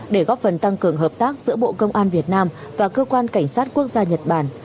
để góp phần tăng cường hợp tác giữa bộ công an việt nam và cơ quan cảnh sát quốc gia nhật bản